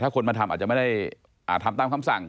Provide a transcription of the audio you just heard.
คนมาทำอาจจะไม่ได้ทำตามคำสั่ง